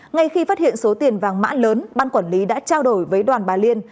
ngay khi phát hiện số tiền vàng mã lớn ban quản lý đã trao đổi với đoàn bà liên